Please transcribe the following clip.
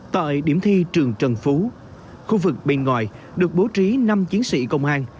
tại điểm thi trường trần phú khu vực bên ngoài được bố trí năm chiến sĩ công an